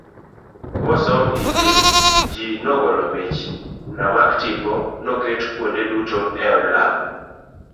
Nosom injili, ji nogolo mich, ramak tipo noket kuonde duto e od lamo.